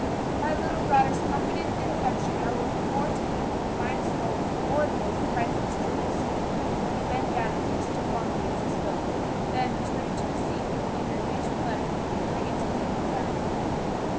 My little daughter's confidence and affection are worth more to me than the finest gold, or the most priceless jewels." He bent down and kissed her fondly as he spoke; then, returning to his seat, bade her finish her letter and bring it to him when done.